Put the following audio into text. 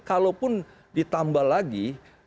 kalaupun ditambah lagi